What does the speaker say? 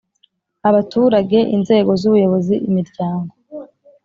Abaturage inzego z ubuyobozi imiryango